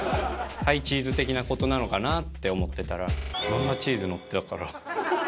はい、チーズ的なことなのかなと思ってたら、まんまチーズ載ってたから。